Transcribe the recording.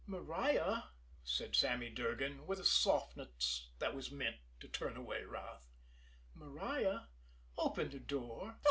"Maria," said Sammy Durgan, with a softness that was meant to turn away wrath, "Maria, open the door."